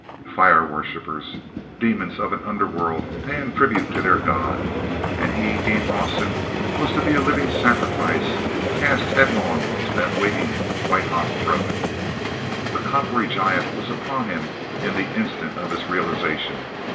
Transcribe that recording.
Fire worshipers! Demons of an under world paying tribute to their god. And he, Dean Rawson, was to be a living sacrifice, cast headlong to that waiting, white hot throat! The coppery giant was upon him in the instant of his realization.